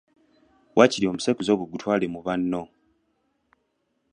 Waakiri omusekuzo ogwo gutwale mu banno.